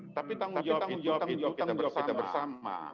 tapi tanggung jawab kita bersama